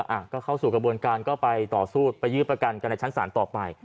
อ่ะก็เข้าสู่กระบวนการก็ไปต่อสู้ไปยืดประกันกันในชั้นศาลต่อไป